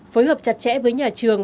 phối hợp chặt chẽ với nhà trường